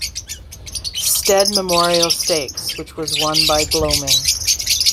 Stead Memorial Stakes which was won by Gloaming.